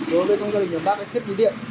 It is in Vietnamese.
đối với trong gia đình của bác thì thiết bị điện